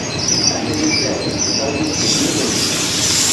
Ata yusa-d, nettṛaǧu-t seg iḍelli.